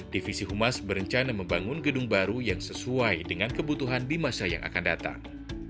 divisi humas berencana membangun gedung baru yang sesuai dengan kebutuhan di masa yang akan datang